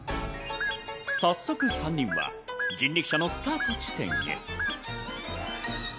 早速３人は人力車のスタート地点へ。